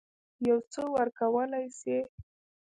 یو څه ورکولای سي.